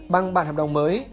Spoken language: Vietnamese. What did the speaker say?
bằng bản hợp đồng mới